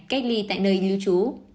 cách ly tại nơi lưu trú